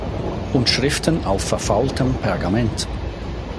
Und Schriften auf verfaultem Pergament.